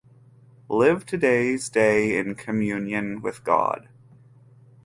Live today’s day in communion with God.